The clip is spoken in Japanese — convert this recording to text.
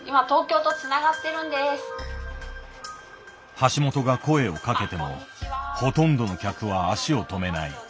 橋本が声をかけてもほとんどの客は足を止めない。